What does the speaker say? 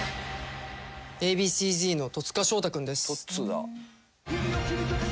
Ａ．Ｂ．Ｃ−Ｚの戸塚祥太君です。